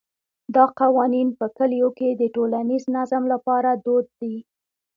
دا قوانین په کلیو کې د ټولنیز نظم لپاره دود دي.